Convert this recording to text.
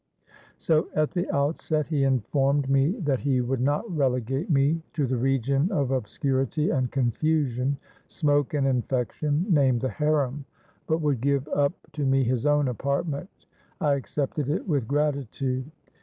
So at the outset he informed me that he would not relegate me to that region of obscurity and confusion, smoke and infection, named the harem, but would give up to me his own apartment. I accepted it with gratitude.